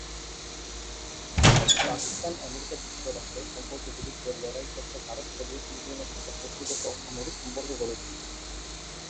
পাকিস্তান-আমেরিকা যুক্তরাষ্ট্রের সম্পর্কের বিরুদ্ধে লড়াই করতে ভারত সোভিয়েত ইউনিয়নের সাথে কৌশলগত ও সামরিক সম্পর্ক গড়ে তোলে।